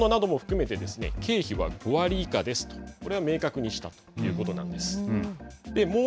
こういったものなども含めて経費は５割以下ですと明確にしたということなんです。